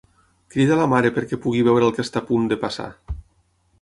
Crida la mare perquè pugui veure el que està a punt de passar.